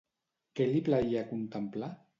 Què li plaïa contemplar?